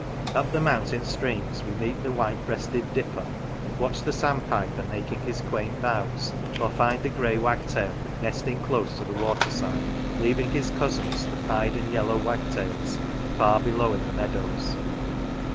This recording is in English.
Up the mountain streams we meet the white breasted dipper, watch the sandpiper making his quaint bows, or find the grey wagtail nesting close to the water side, leaving his cousins, the pied and yellow wagtails, far below in the meadows.